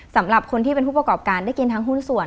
สำหรับคนที่เป็นผู้ประกอบการได้กินทั้งหุ้นส่วน